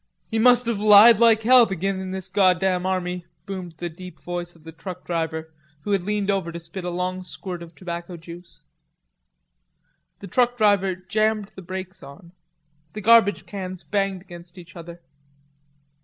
"He must have lied like hell to git in this goddam army," boomed the deep voice of the truck driver, who had leaned over to spit s long squirt of tobacco juice. The truck driver jammed the brakes on. The garbage cans banged against each other.